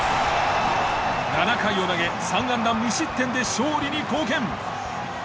７回を投げ３安打無失点で勝利に貢献。